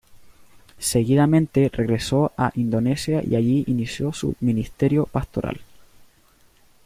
Seguidamente regresó a Indonesia y allí inició su ministerio pastoral.